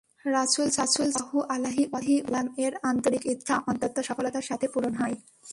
রাসূল সাল্লাল্লাহু আলাইহি ওয়াসাল্লাম-এর আন্তরিক ইচ্ছা অত্যন্ত সফলতার সাথে পূরণ হয়।